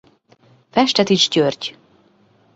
Festetics György.